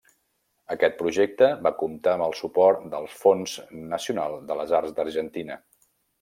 Aquest projecte va comptar amb el suport del Fons Nacional de les Arts d'Argentina.